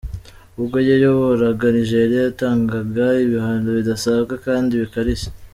Ubwo yayoboraga Nigeria, yatangaga ibihano bidasanzwe kandi bikarishye.